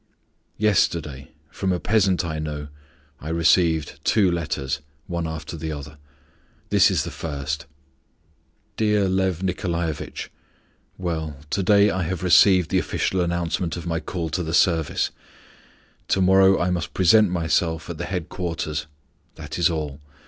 Yesterday, from a peasant I know, I received two letters, one after the other. This is the first: "Dear Lyof Nikolaevitch, Well, to day I have received the official announcement of my call to the Service; to morrow I must present myself at the headquarters. That is all.